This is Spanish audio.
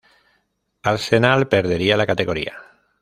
Arsenal perdería la categoría.